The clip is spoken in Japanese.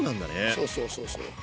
そうそうそうそう。